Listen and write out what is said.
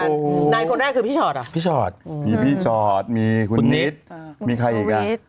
ทำงานในคนแรกคือพี่ชอดอ่ะพี่ชอดมีพี่ชอดมีคุณนิดมีใครอีก